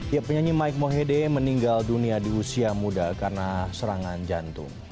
ya penyanyi mike mohede meninggal dunia di usia muda karena serangan jantung